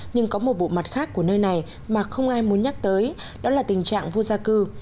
nhưng có một bộ mặt khác của nơi này mà không ai muốn nhắc tới đó là tình trạng vô gia cư